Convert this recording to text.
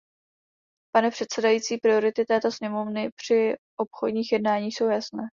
Pane předsedající, priority této sněmovny při obchodních jednáních jsou jasné.